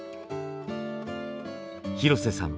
廣瀬さん